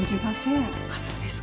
あっそうですか。